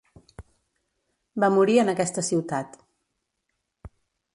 Va morir en aquesta ciutat.